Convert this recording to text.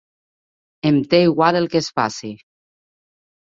Em té igual el que es faci.